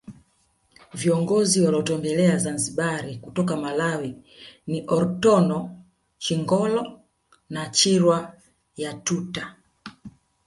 Viongozi walotembelea Zanzibar kutoka Malawi ni Orton Chingolo na Chirwa Yatuta